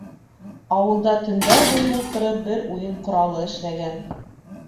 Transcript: Ауылда төндәр буйы ултырып бер уйын ҡоралы эшләгән.